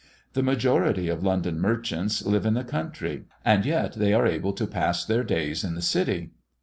The majority of London merchants live in the country, and yet they are able to pass their days in the city.